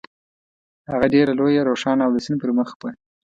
هغه ډېره لویه، روښانه او د سیند پر مخ وه.